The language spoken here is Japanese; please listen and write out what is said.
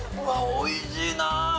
おいしいなあ！